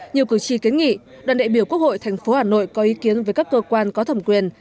nhiều cử tri kiến nghị đoàn đại biểu quốc hội tp hà nội có ý kiến với các cơ quan có thẩm quyền